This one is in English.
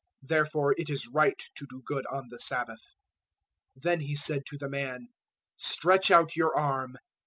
Therefore it is right to do good on the Sabbath." 012:013 Then He said to the man, "Stretch out your arm."